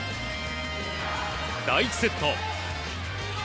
第１セット。